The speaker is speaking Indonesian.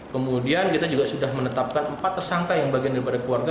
kemudian kita juga sudah menetapkan empat tersangka yang bagian daripada keluarga